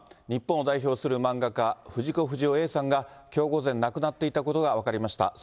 日本を代表する漫画家、藤子不二雄Ａさんが、きょう午前、亡くなっていたことが分かりました。